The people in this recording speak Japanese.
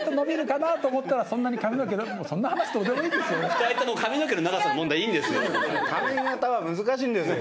２人とも髪の毛の長さの問題いいんですよ。